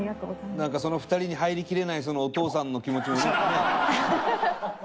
なんか２人に入りきれないお父さんの気持ちもね。